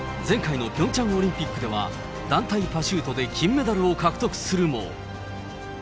前回のピョンチャンオリンピックでは、団体パシュートで金メダルを獲得するも。